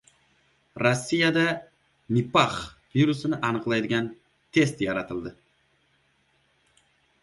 Rossiyada nipah virusini aniqlaydigan test yaratildi